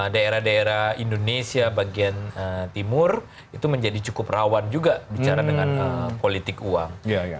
daerah daerah indonesia bagian timur itu menjadi cukup rawan juga bicara dengan politik uang